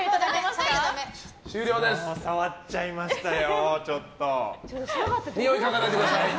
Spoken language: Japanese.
触っちゃいましたよ。